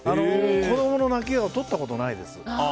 子供の泣き顔撮ったことないです。